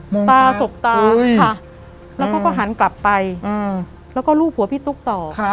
ตาสบตาแล้วเขาก็หันกลับไปแล้วก็รูปหัวพี่ตุ๊กต่อ